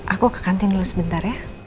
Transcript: aku ke kantin dulu sebentar ya